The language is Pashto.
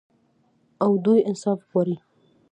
او دوی انصاف غواړي.